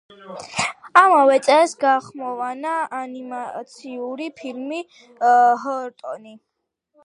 ამავე წელს გაახმოვანა ანიმაციური ფილმი „ჰორტონი“.